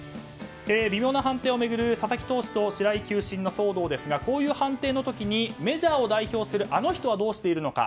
微妙な判定を巡る佐々木投手と白井球審の騒動ですがこういう判定の時にメジャーを代表するあの人はどうしているのか。